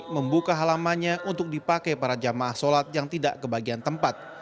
membuka halamannya untuk dipakai para jamaah sholat yang tidak kebagian tempat